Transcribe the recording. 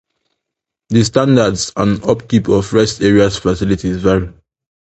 The standards and upkeep of rest areas facilities vary.